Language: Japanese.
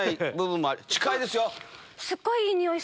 近いですよ。